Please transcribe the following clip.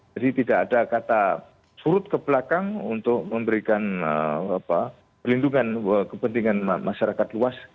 jadi tidak ada kata surut ke belakang untuk memberikan pelindungan kepentingan masyarakat luas